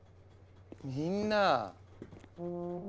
みんな。